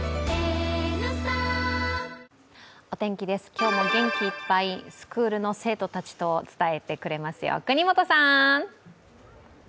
今日も元気いっぱいスクールの子供たちと伝えてくれますよ、國本さん！